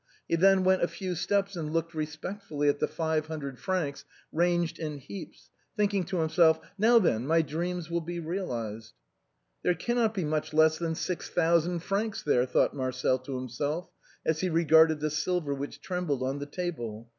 He then went a few steps and looked respectfully at the five hundred francs ranged in heaps, thinking to him self :" Now, then, my dreams will be realized !"" There cannot be much less than six thousand francs there," thought Marcel to liimself, as he regarded the silver which trembled on the table.